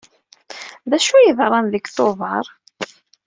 D acu ay yeḍran deg Tubeṛ?